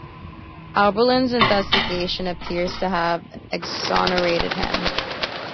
Abberline's investigation appears to have exonerated him.